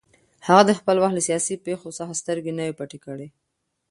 هغه د خپل وخت له سیاسي پېښو څخه سترګې نه وې پټې کړې